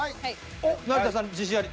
成田さん自信あり？